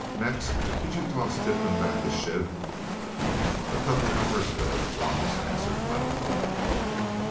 Mex, did you toss Tiflin back his shiv?" "A couple of hours ago," Ramos answered mildly.